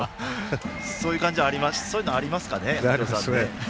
そういうの、ありますかね。